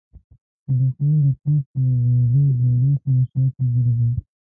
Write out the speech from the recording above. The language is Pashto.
د د ښمن د توپ له لومړۍ ګولۍ سره شاته ګرځو.